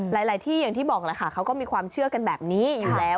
หลายที่อย่างที่บอกแหละค่ะเขาก็มีความเชื่อกันแบบนี้อยู่แล้ว